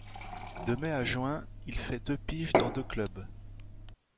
De mai à juin, il fait deux piges dans deux clubs.